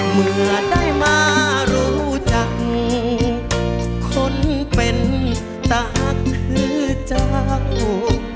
เมื่อได้มารู้จังคนเป็นตาคือจากโต